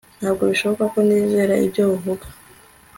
Ntabwo bishoboka ko nizera ibyo uvuga